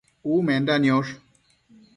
Umenda niosh